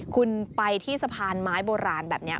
คุณไปที่สะพานไม้โบราณแบบนี้